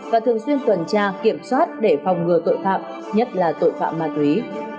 và thường xuyên tuần tra kiểm soát để phòng ngừa tội phạm nhất là tội phạm ma túy